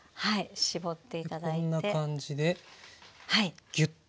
こんな感じでぎゅっと。